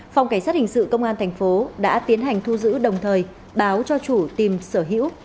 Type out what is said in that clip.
phòng cảnh sát hình sự công an thành phố đã tiến hành thu giữ đồng thời báo cho chủ tìm sở hữu